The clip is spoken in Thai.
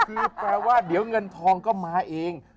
คือแปลว่าเดี๋ยวเงินทองก็มาเอง